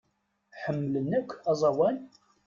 Ḥemmlen akk aẓawan?